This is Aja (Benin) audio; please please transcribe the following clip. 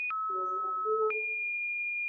Yovogbuwo.